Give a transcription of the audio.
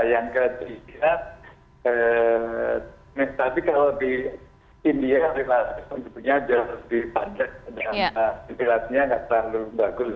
yang ketiga administrasi kalau di indonesia lebih padat dan administrasinya tidak terlalu bagus